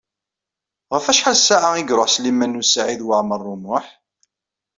Ɣef acḥal ssaɛa i iṛuḥ Sliman U Saɛid Waɛmaṛ U Muḥ?